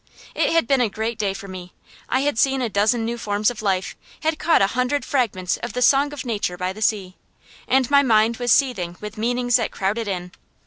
It had been a great day for me. I had seen a dozen new forms of life, had caught a hundred fragments of the song of nature by the sea; and my mind was seething with meanings that crowded in.